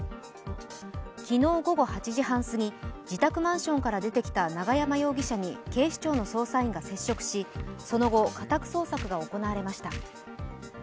昨日午後８時半過ぎ、自宅マンションから出てきた永山容疑者に警視庁の捜査員が接触し、その後、家宅捜索が行われました。